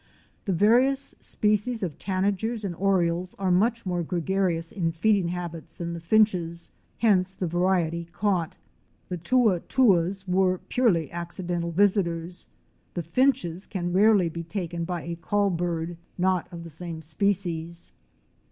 The various species of Tanagers and Orioles are much more gregarious in feeding habits than the Finches, hence the variety caught. The Toua touas were purely accidental visitors. 'The Finches can rarely be taken by a call bird not of the same species.